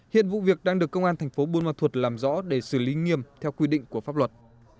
hiện vụ việc đang được công an thành phố buôn ma thuột làm rõ để xử lý nghiêm theo quy định của pháp luật